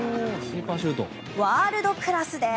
ワールドクラスです。